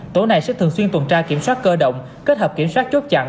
tổ này sẽ thường xuyên tuần tra kiểm soát cơ động kết hợp kiểm soát chốt chặn